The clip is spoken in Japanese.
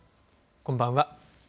こんばんは。